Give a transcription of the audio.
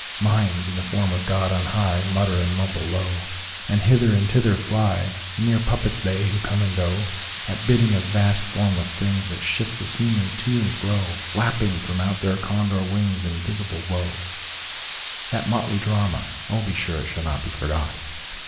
Mimes, in the form of God on high, Mutter and mumble low, And hither and thither fly—Mere puppets they, who come and goAt bidding of vast formless thingsThat shift the scenery to and fro, Flapping from out their Condor wingsInvisible Woe! That motley drama—oh, be sureIt shall not be forgot!